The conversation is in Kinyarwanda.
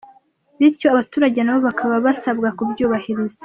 Bityo abaturage nabo bakaba basabwa kubyubahiriza.